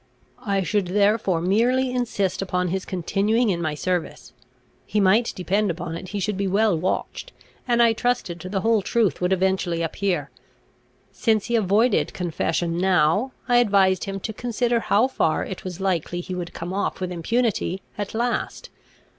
I should therefore merely insist upon his continuing in my service. He might depend upon it he should be well watched, and I trusted the whole truth would eventually appear. Since he avoided confession now, I advised him to consider how far it was likely he would come off with impunity at last.